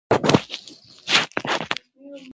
هغه وخت چې موږ يې پخپله ورته وضع نه کړو.